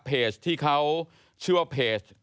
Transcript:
เพจที่เขาชื่อว่าเพจ